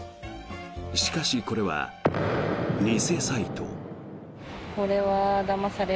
しかし、これは偽サイト。